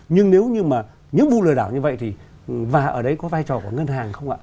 nhưng nếu như mà những vụ lừa đảo như vậy thì và ở đấy có vai trò của ngân hàng không ạ